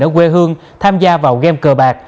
ở quê hương tham gia vào game cờ bạc